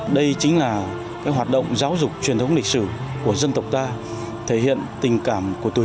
đây chính là hoạt động giáo dục truyền thống lịch sử của dân tộc ta thể hiện tình cảm của tuổi